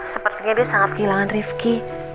sepertinya dia sangat kehilangan rifki